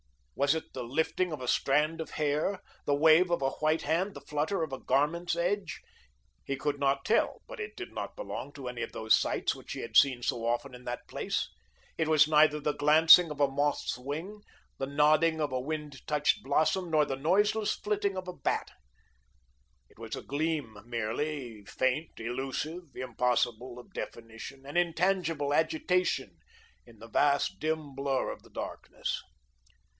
Was it the lifting of a strand of hair, the wave of a white hand, the flutter of a garment's edge? He could not tell, but it did not belong to any of those sights which he had seen so often in that place. It was neither the glancing of a moth's wing, the nodding of a wind touched blossom, nor the noiseless flitting of a bat. It was a gleam merely, faint, elusive, impossible of definition, an intangible agitation, in the vast, dim blur of the darkness.